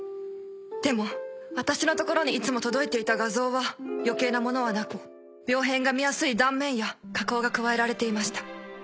でも私の所にいつも届いていた画像は余計なものはなく病変が見やすい断面や加工が加えられていました。